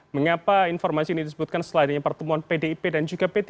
mengapa informasi ini disebutkan setelah adanya pertemuan pdip dan juga p tiga